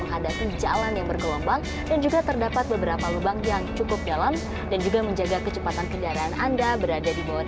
untuk menemukan tol tinggi anda harus menemukan tol yang bergelombang dan juga terdapat beberapa lubang yang cukup dalam dan juga menjaga kecepatan kendaraan anda berada di bawah delapan puluh km per jam